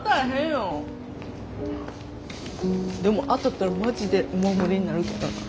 でも当たったらマジでお守りになるけどな。